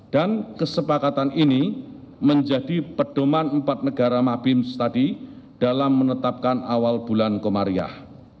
dan kesepakatan ini menjadi pedoman empat negara mabims tadi dalam menetapkan awal bulan komariah